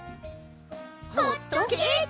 ホットケーキ！